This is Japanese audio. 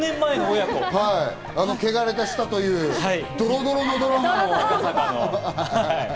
『汚れた舌』というドロドロのドラマ。